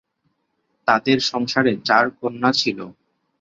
তাদের সংসারে চার কন্যা ছিল।